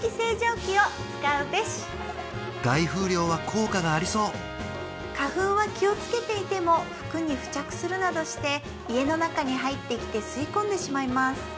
大風量は効果がありそう花粉は気をつけていても服に付着するなどして家の中に入ってきて吸い込んでしまいます